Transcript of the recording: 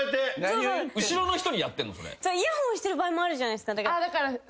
イヤホンしてる場合もあるじゃないですか。